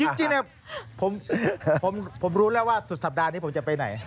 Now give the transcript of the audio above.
จริงผมรู้แล้วว่าสุดสัปดาห์นี้ผมจะไปไหน